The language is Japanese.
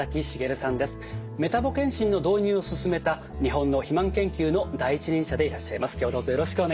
メタボ健診の導入を進めた日本の肥満研究の第一人者でいらっしゃいます。